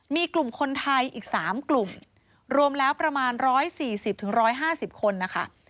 มีกลุ่มคนไทยอีก๓กลุ่มรวมแล้วประมาณ๑๔๐๑๕๐คนนะคะ